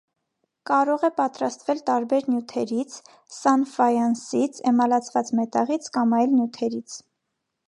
Կարող է պատրաստվել տարբեր նյութերից՝ սանֆայանսից, էմալացված մետաղից կամ այլ նյութերից։